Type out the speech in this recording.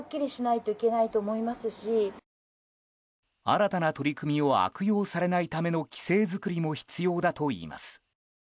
新たな取り組みを悪用されないための規制作りも必要だといいます。